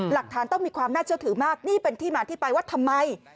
หลักฐานต้องมีความน่าเชื่อถือมากนี่เป็นที่มาที่ไปว่าทำไม